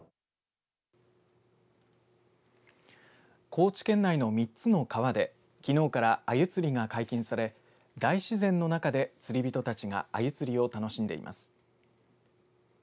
高知県内の３つの川できのうからアユ釣りが解禁され大自然の中で釣り人たちがアユ釣りを楽しんでいます。